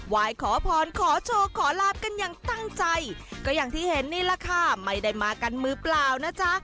ยขอพรขอโชคขอลาบกันอย่างตั้งใจก็อย่างที่เห็นนี่แหละค่ะไม่ได้มากันมือเปล่านะจ๊ะ